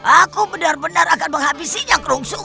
aku benar benar akan menghabisinya kerungsung